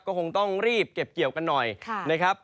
ก็คงต้องรีบเก็บเกี่ยวกันหน่อยนะครับ